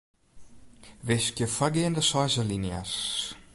Wiskje foargeande seis alinea's.